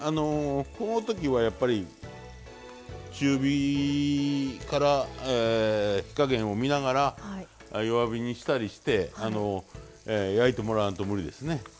こういう時はやっぱり中火から火加減を見ながら弱火にしたりして焼いてもらわんと無理ですね。